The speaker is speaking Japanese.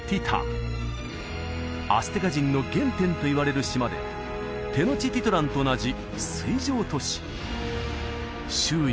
アステカ人の原点といわれる島でテノチティトランと同じ水上都市周囲